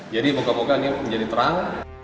jadi moga moga ini menjadi terang